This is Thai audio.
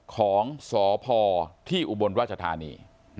ของสพที่อุบลราชธานี